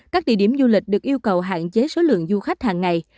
các địa điểm du lịch được yêu cầu hạn chế số lượng du khách hàng ngày